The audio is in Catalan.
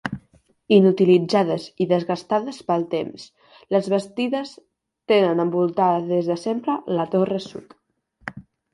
Inutilitzades i desgastades pel temps, les bastides tenen envoltada des de sempre la torre sud.